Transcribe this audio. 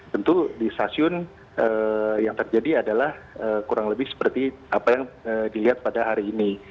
tentu di stasiun yang terjadi adalah kurang lebih seperti apa yang dilihat pada hari ini